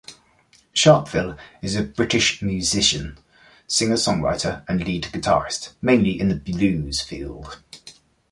Sharpville is a British musician, singer-songwriter and lead guitarist, mainly in the blues field.